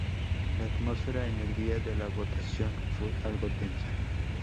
La atmósfera en el día de la votación fue algo tensa.